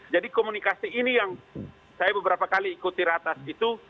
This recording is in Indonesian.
jadi komunikasi ini yang saya beberapa kali ikuti ratas itu